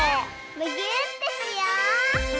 むぎゅーってしよう！